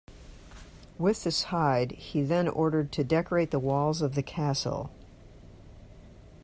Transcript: With this hide he then ordered to decorate the walls of the castle.